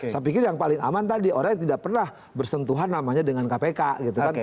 saya pikir yang paling aman tadi orang yang tidak pernah bersentuhan namanya dengan kpk gitu kan